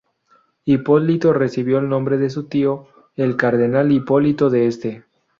Hipólito recibió el nombre de su tío, el cardenal Hipólito de Este.